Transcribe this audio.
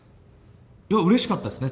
うれしかったですね